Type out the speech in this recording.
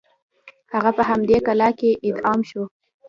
هغه په همدې کلا کې اعدام شو.